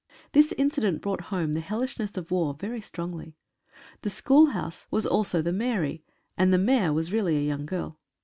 This incident brought home the hellishness of war very strongly. The schoolhouse was also the Mairie, and the Maire was really a young girl.